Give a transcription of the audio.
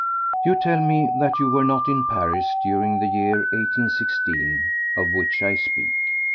You tell me that you were not in Paris during the year 1816 of which I speak.